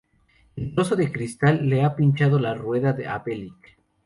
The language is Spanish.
El trozo de cristal le ha pinchado la rueda a Bellick.